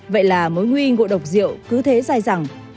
vậy là mối nguy ngộ độc rượu cứ thế dài dẳng